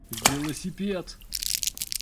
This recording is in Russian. Велосипед!